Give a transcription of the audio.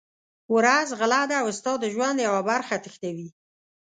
ورځ غله ده او ستا د ژوند یوه برخه تښتوي.